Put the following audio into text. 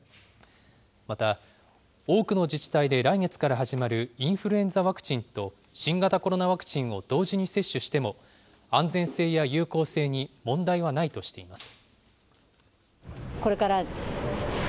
また、多くの自治体で来月から始まるインフルエンザワクチンと、新型コロナワクチンを同時に接種しても、安全性や有効性に問題はないとしています。